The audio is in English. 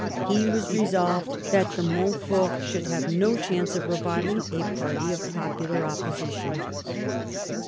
He was resolved that the Montforts should have no chance of reviving a party of popular opposition.